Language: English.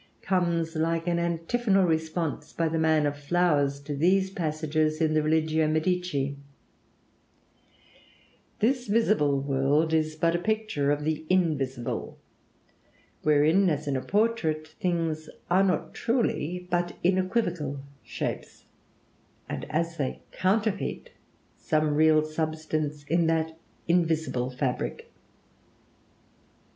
comes like an antiphonal response by "the man of flowers" to these passages in the 'Religio Medici': "This visible world is but a picture of the invisible, wherein, as in a portrait, things are not truly, but in equivocal shapes, and as they counterfeit some real substance in that invisible fabric."